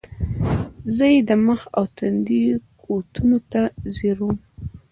زۀ ئې د مخ او تندي کوتونو ته زیر ووم ـ